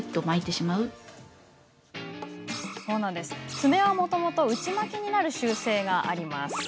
爪はもともと内巻きになる習性があります。